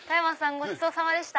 ごちそうさまでした。